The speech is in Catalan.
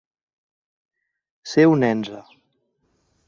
Ser un enze.